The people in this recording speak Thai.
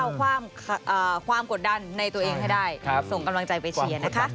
เอาความกดดันในตัวเองให้ได้ส่งกำลังใจไปเชียร์นะคะ